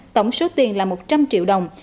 tổng số tiền là một trăm linh triệu đồng